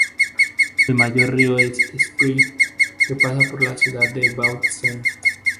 El mayor río es el Spree, que pasa por la ciudad de Bautzen.